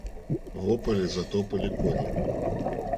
Во поле затопали кони.